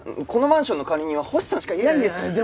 このマンションの管理人は星さんしかいないんです。